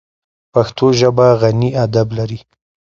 پښتو ژبه غني ادب لري.